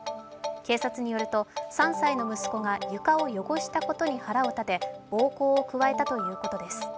警察によると３歳の息子が床を汚したことに腹を立て、暴行を加えたということです。